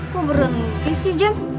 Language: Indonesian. kok berhenti sih jam